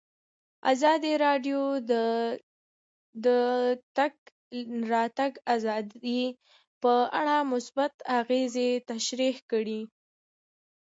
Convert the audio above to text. ازادي راډیو د د تګ راتګ ازادي په اړه مثبت اغېزې تشریح کړي.